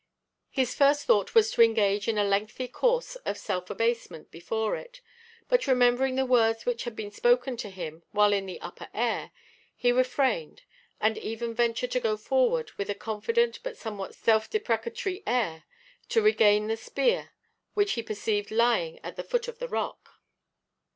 His first thought was to engage in a lengthy course of self abasement before it, but remembering the words which had been spoken to him while in the Upper Air, he refrained, and even ventured to go forward with a confident but somewhat self deprecatory air, to regain the spear, which he perceived lying at the foot of the rock.